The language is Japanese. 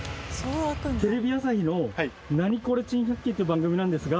テレビ朝日の『ナニコレ珍百景』っていう番組なんですが。